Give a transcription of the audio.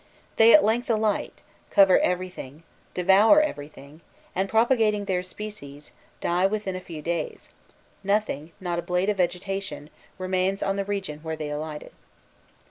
They at length alight, cover everything, devour everything, and, propagating their species, die within a few days: nothing, not a blade of vegetation, remains on the region where they alighted.